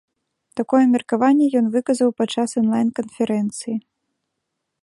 Такое меркаванне ён выказаў падчас анлайн-канферэнцыі.